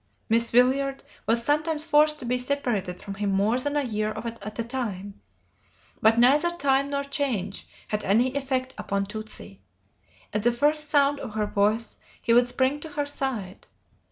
Miss Willard was sometimes forced to be separated from him more than a year at a time, but neither time nor change had any effect upon Tootsie. At the first sound of her voice he would spring to her side.